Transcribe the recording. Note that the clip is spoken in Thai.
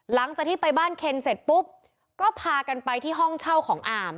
หลังจากที่ไปบ้านเคนเสร็จปุ๊บก็พากันไปที่ห้องเช่าของอาม